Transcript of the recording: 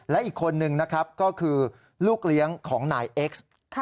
และอีกคนนึงนะครับก็คือลูกเลี้ยงของนายเอ็กซ์